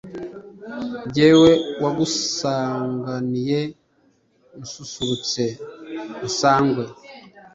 Jyewe wagusanganiye, nsusurutse Sangwe